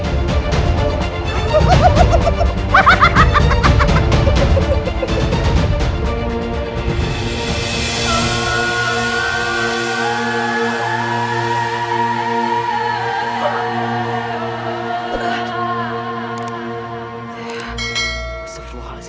tidak ada yang bisa diatasi